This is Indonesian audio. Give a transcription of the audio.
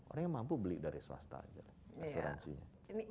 orang yang mampu beli dari swasta aja asuransinya